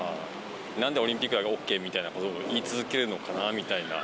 なんでオリンピックだけＯＫみたいなことを言い続けるのかなみたいな。